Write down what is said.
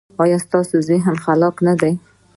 ایا ستاسو ذهن خلاق نه دی؟